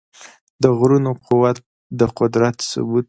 د غرونو قوت د قدرت ثبوت دی.